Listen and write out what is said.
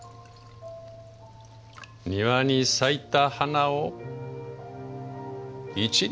庭に咲いた花を一輪。